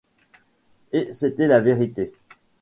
Et c’était la vérité!